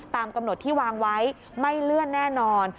ตามกำหนดที่วางไว้ไม่เลื่อนแน่นอน